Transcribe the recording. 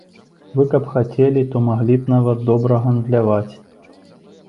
Вы каб хацелі, то маглі б нават добра гандляваць!